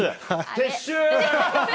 撤収。